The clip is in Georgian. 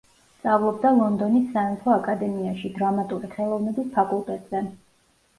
სწავლობდა ლონდონის სამეფო აკადემიაში, დრამატული ხელოვნების ფაკულტეტზე.